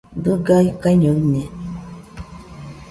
Dɨga ikaiño ine